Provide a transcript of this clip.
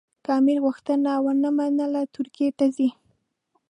که امیر غوښتنه ونه منله ترکیې ته ځي.